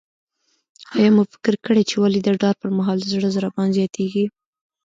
آیا مو فکر کړی چې ولې د ډار پر مهال د زړه ضربان زیاتیږي؟